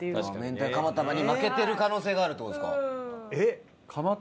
明太釜玉に負けてる可能性があるって事ですか？